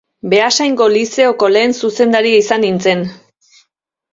Beasaingo Lizeoko lehen zuzendaria izan nintzen.